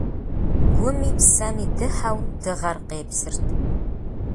Гуми псэми дыхьэу дыгъэр къепсырт.